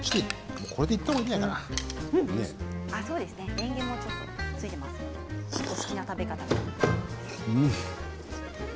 れんげもついていますのでお好きな食べ方で。